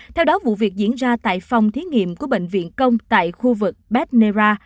theo đó vụ việc diễn ra tại phòng thiết nghiệm của bệnh viện công tại khu vực badnera